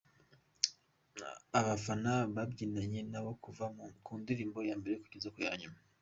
Abafana babyinanye nabo kuva ku ndirimbo ya mbere kugeza ku ya nyuma.